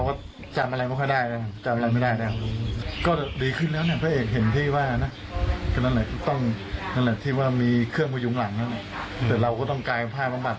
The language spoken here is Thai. ก็อย่างที่ดาววิชยุทธ์บอกครับ